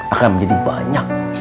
akan menjadi banyak